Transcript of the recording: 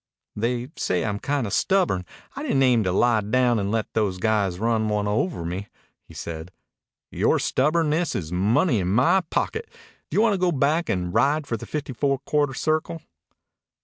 "They say I'm kinda stubborn. I didn't aim to lie down and let those guys run one over me," he said. "Yore stubbornness is money in my pocket. Do you want to go back and ride for the Fifty Four Quarter Circle?"